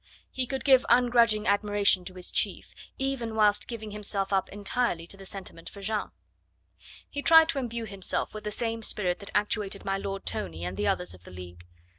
He could give ungrudging admiration to his chief, even whilst giving himself up entirely to the sentiment for Jeanne. He tried to imbue himself with the same spirit that actuated my Lord Tony and the other members of the League.